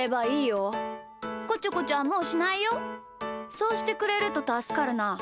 そうしてくれるとたすかるな。